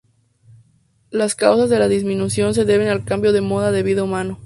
Las causas de la disminución se deben al cambio del modo de vida humano.